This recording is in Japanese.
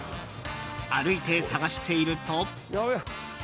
歩いて探していると。